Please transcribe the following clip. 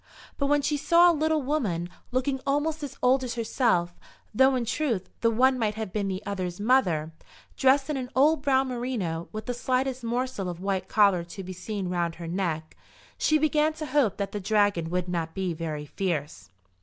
But when she saw a little woman, looking almost as old as herself, though in truth the one might have been the other's mother, dressed in an old brown merino, with the slightest morsel of white collar to be seen round her neck, she began to hope that the dragon would not be very fierce.